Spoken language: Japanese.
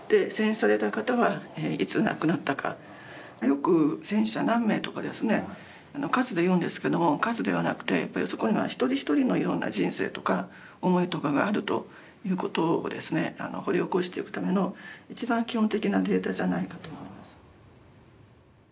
よく戦死者何名とか、数で言うんですけれども、数ではなくて、そこには一人一人のいろんな人生とか思いとかがあるということを掘り起こしていくための一番基本的なデータじゃないかと思います。